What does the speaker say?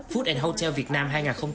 food hotel việt nam hai nghìn hai mươi bốn